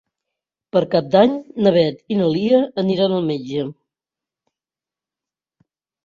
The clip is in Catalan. Per Cap d'Any na Beth i na Lia aniran al metge.